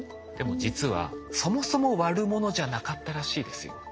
でも実はそもそも悪者じゃなかったらしいですよ。